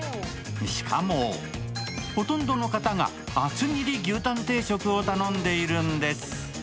しかも、ほとんどの方が厚切り牛たん定食を頼んでいるんです。